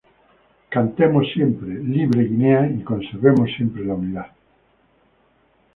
Cantemos siempre, Libre Guinea, y conservemos siempre la unidad.